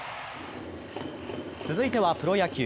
続いてはプロ野球。